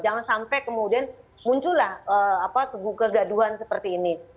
jangan sampai kemudian muncullah kegaduhan seperti ini